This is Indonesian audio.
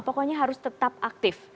pokoknya harus tetap aktif